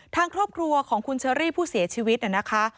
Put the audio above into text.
ทางครอบครัวของคุณเชอรี่ผู้เสียชีวิตนะคะ